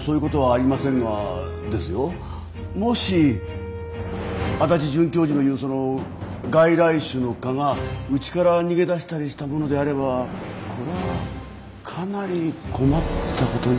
もし足立准教授の言うその外来種の蚊がうちから逃げ出したりしたものであればこれはかなり困ったことに。